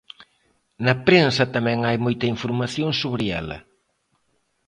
Na prensa tamén hai moita información sobre ela.